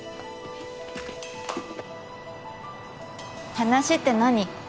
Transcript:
話って何？